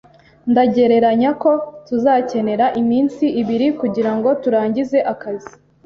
Ndagereranya ko tuzakenera iminsi ibiri kugirango turangize akazi